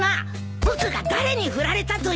僕が誰にふられたというんだ！？